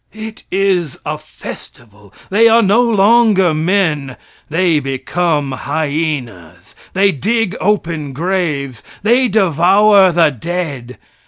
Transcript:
It is a festival. They are no longer men. They become hyenas. They dig open graves. They devour the dead.